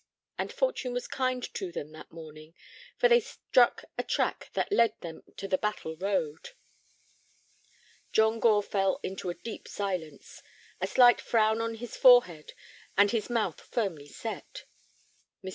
And fortune was kind to them that morning, for they struck a track that led them to the Battle road. John Gore fell into a deep silence, a slight frown on his forehead and his mouth firmly set. Mr.